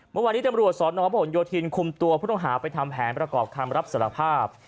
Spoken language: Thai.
เมื่อวันนี้เต็มรั่วสตร์รอพาอ่อนโายทินคุมตัวพุทธองหาไปทำแผนประกอบคำรับสารภาพ